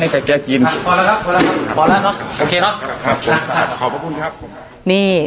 บ้าแง